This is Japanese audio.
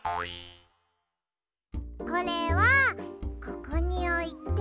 これはここにおいて。